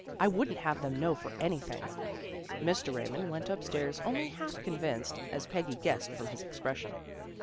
I wouldn't have them know for anything." Mr. Raymond went upstairs only hah* con vinced, as Peggy guessed from his expression.